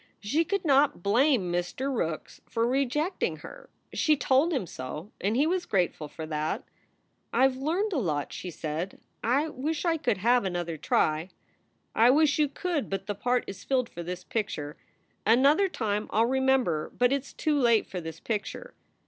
She could not blame Mr. Rookes for rejecting her. She told him so, and he was grateful for that. "I ve learned a lot," she said. "I wish I could have another try." "I wish you could, but the part is filled for this picture. Another time I ll remember, but it s too late for this picture."